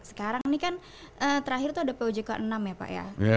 sekarang ini kan terakhir itu ada pojk enam ya pak ya